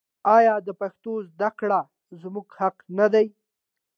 آیا د پښتو زده کړه زموږ حق نه دی؟